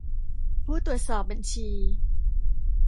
ผู้ตรวจสอบบัญชี